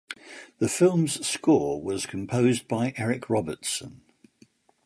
The film's score was composed by Eric Robertson.